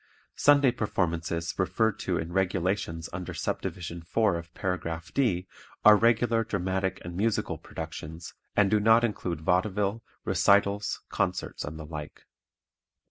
Sunday performances referred to in "Regulations" under Subdivision 4 of Paragraph D are regular dramatic and musical productions and do not include vaudeville, recitals, concerts and the like.